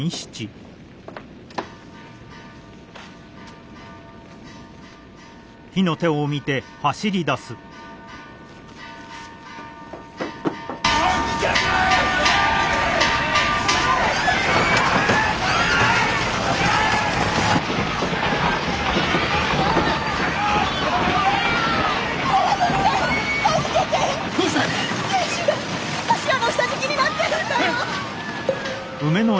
亭主が柱の下敷きになってるんだよ！